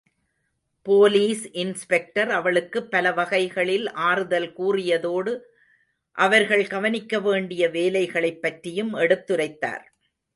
Police inspector அவளுக்குப் பல வகைகளில் ஆறுதல் கூறியதோடு அவர்கள் கவனிக்க வேண்டிய வேலைகளைப்பற்றியும் எடுத்துரைத்தார்.